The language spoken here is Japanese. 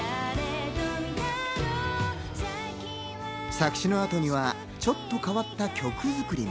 作詞のあとにはちょっと変わった曲作りも。